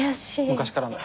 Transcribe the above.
昔からの。